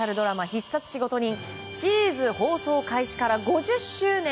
「必殺仕事人」シリーズ放送開始から５０周年。